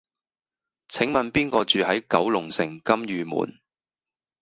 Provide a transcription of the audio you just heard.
請問邊個住喺九龍城金·御門？